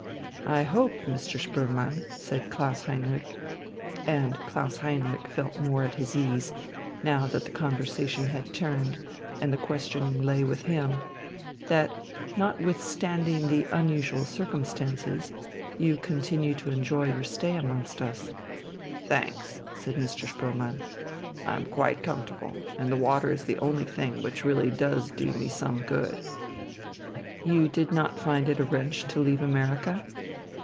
"I hope, Mr. Spoelmann," and Klaus Heinrich felt more at his ease, now that the conversation had turned, and the questioning lay with him, "that, notwithstanding the unusual circumstances, you continue to enjoy your stay amongst us." "Thanks," said Mr. Spoelmann, "I'm quite comfortable, and the water is the only thing which really does do me some good." "You did not find it a wrench to leave America?"